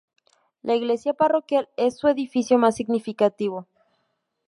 La iglesia parroquial es su edificio más significativo.